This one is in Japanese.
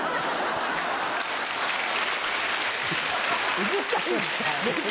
うるさい。